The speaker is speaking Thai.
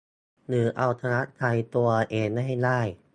หรือเอาชนะใจตัวเองให้ได้